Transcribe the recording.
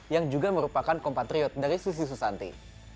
yang juga merupakan kompatriot dari susi susanti